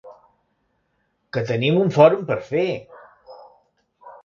Que tenim un Fòrum per fer!